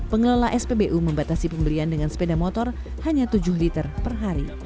pengelola spbu membatasi pembelian dengan sepeda motor hanya tujuh liter per hari